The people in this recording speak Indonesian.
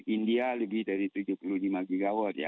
india lebih dari tujuh puluh lima gigawatt ya